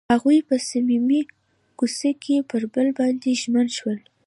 هغوی په صمیمي کوڅه کې پر بل باندې ژمن شول.